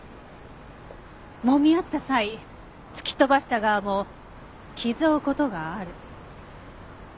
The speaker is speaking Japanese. もみ合った際突き飛ばした側も傷を負う事がある。